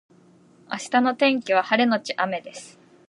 明日の天気は晴れのち雨です